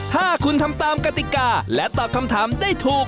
ถ้าคุณทำตามกติกาและตอบคำถามได้ถูก